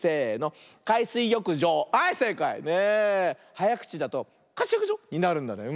はやくちだと「かすよくじょ」になるんだね。